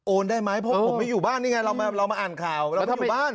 ได้ไหมเพราะผมไม่อยู่บ้านนี่ไงเรามาอ่านข่าวเราไม่อยู่บ้าน